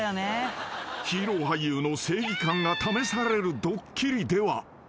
［ヒーロー俳優の正義感が試されるドッキリでは］